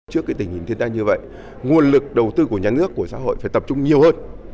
trước cái tình hình thiết đa như vậy nguồn lực đầu tư của nhà nước của xã hội phải tập trung nhiều hơn